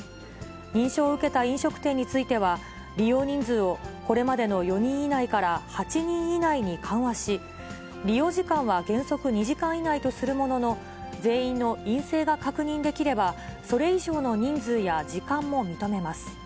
認証を受けた飲食店については、利用人数をこれまでの４人以内から８人以内に緩和し、利用時間は原則２時間以内とするものの、全員の陰性が確認できれば、それ以上の人数や時間も認めます。